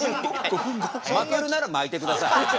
巻けるなら巻いてください。